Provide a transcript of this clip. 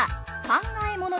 考え物？え？